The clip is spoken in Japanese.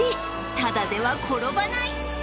ただでは転ばない！